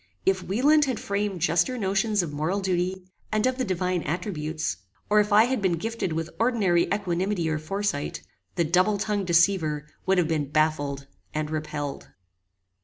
If Wieland had framed juster notions of moral duty, and of the divine attributes; or if I had been gifted with ordinary equanimity or foresight, the double tongued deceiver would have been baffled and repelled.